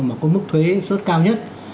mà có mức thuế xuất cao nhất